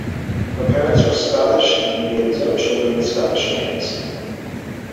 His parents were Scottish, and he gave his own children Scottish names.